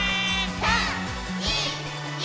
３、２、１。